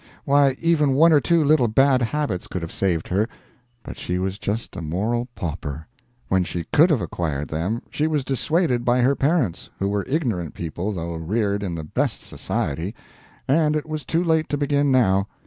Why, even one or two little bad habits could have saved her, but she was just a moral pauper. When she could have acquired them she was dissuaded by her parents, who were ignorant people though reared in the best society, and it was too late to begin now.